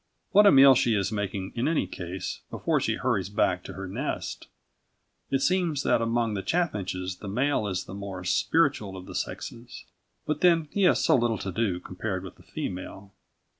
What a meal she is making in any case before she hurries back to her nest! It seems that among the chaffinches the male is the more spiritual of the sexes. But then he has so little to do compared with the female.